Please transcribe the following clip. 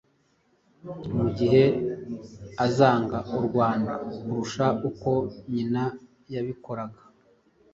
mu gihe azanga u Rwanda kurusha uko nyina yabikoraga.